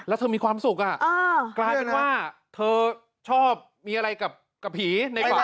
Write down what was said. แล้วเธอมีความสุขอ่ะกลายเป็นว่าเธอชอบมีอะไรกับผีในฝัน